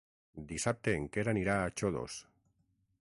Dissabte en Quer anirà a Xodos.